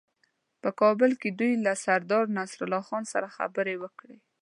په کابل کې دوی له سردارنصرالله خان سره خبرې وکړې.